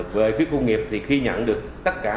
tại khu công nghiệp vĩnh lộc quận bình tân tp hcm